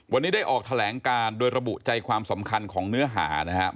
วันนี้ได้ออกแถลงการโดยระบุใจความสำคัญของเนื้อหานะครับ